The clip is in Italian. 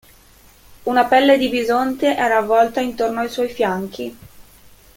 Una pelle di bisonte era avvolta intorno ai suoi fianchi.